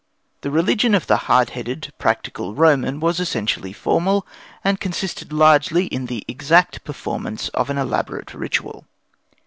The religion of the hard headed, practical Roman was essentially formal, and consisted largely in the exact performance of an elaborate ritual.